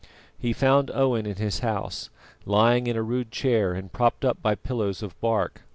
He found Owen in his house, lying in a rude chair and propped up by pillows of bark.